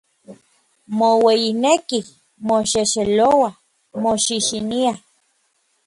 Moueyinekij, moxexelouaj, moxixiniaj.